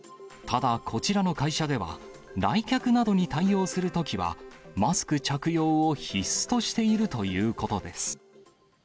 ただこちらの会社では、来客などに対応するときは、マスク着用を必須としているということです。